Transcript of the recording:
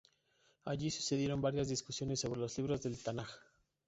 Allí sucedieron varias discusiones sobre los libros del Tanaj.